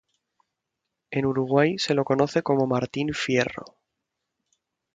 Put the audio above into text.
En Uruguay se lo conoce como Martín Fierro.